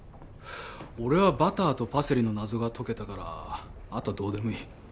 俺はバターとパセリの謎が解けたからあとはどうでもいい。